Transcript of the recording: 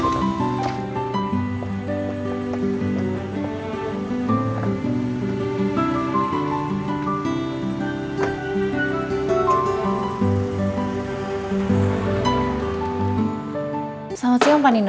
selamat siang pak nino